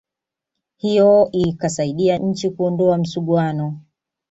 hiyo ikasaidia nchi kuondoa msuguano wa